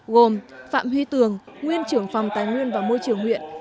gồm phạm huy tường nguyên trưởng phòng tài nguyên và môi trường huyện